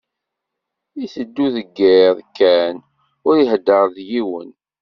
Iteddu deg iḍ kan, ur ihedder d yiwen.